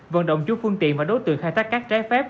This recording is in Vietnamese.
vận động chủ phương tiện và đối tượng khai thác cát trái phép